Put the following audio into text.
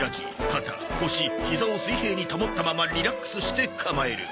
肩腰膝を水平に保ったままリラックスして構える。